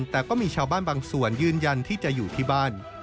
แต่ก็มีชาวบ้านบางส่วนยืนยันที่จะอยู่ที่บ้าน